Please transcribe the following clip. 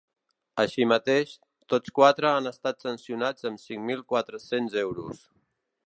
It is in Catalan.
Així mateix, tots quatres han estat sancionats amb cinc mil quatre-cents euros.